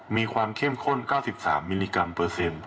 มีความเข้มข้น๙๓มิลลิกรัมเปอร์เซ็นต์